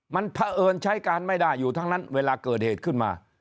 มันเผอิญใช้การไม่ได้อยู่ทั้งนั้นเวลาเกิดเหตุขึ้นมา